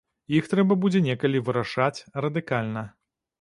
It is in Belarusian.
Іх трэба будзе некалі вырашаць радыкальна.